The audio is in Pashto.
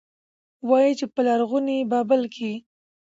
وايي، چې په لرغوني بابل کې